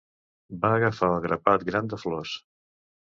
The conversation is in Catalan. Va agafar el grapat gran de flors.